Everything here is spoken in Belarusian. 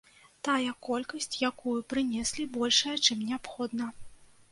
Тая колькасць, якую прынеслі, большая, чым неабходна.